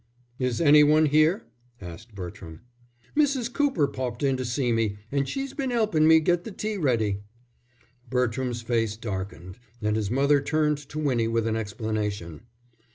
"Is any one here?" asked Bertram. "Mrs. Cooper popped in to see me, and she's been 'elpin' me get the tea ready." Bertram's face darkened, and his mother turned to Winnie with an explanation.